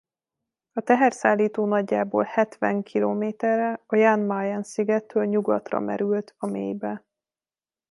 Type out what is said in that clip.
A teherszállító nagyjából hetven kilométerre a Jan Mayen-szigettől nyugatra merült a mélybe.